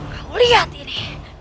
kau lihat ini